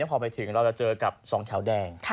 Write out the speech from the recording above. พอไปถึงเราจะเจอกับ๒แถวแดง